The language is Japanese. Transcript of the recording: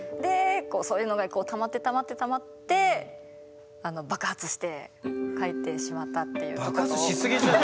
そういうのがたまってたまってたまって爆発して書いてしまったっていうところ。